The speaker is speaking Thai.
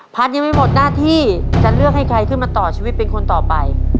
ยังไม่หมดหน้าที่จะเลือกให้ใครขึ้นมาต่อชีวิตเป็นคนต่อไป